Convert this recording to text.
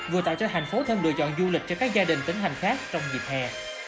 vừa tạo cho thành phố thân lựa chọn du lịch cho các gia đình tỉnh hành khác trong dịp hè